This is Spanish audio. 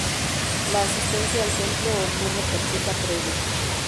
La asistencia al templo ocurre por cita previa.